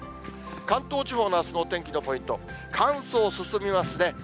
関東地方のあすのお天気のポイント、乾燥進みますね。